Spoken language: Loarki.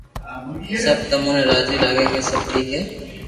سب تمو نو راجي لاگي ڪي سب ٺيڪ ھي